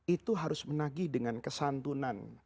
itu harus menagih dengan kesantunan